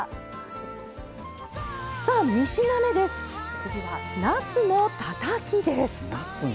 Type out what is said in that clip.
次はなすのたたき！